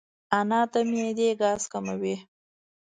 انار د معدې ګاز کموي.